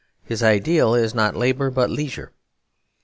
His ideal is not labour but leisure.